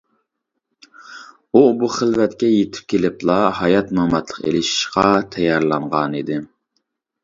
ئۇ بۇ خىلۋەتكە يېتىپ كېلىپلا ھايات-ماماتلىق ئېلىشىشقا تەييارلانغانىدى.